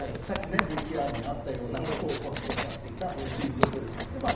さっきＶＴＲにあったようなことをおっしゃっていたという状況です。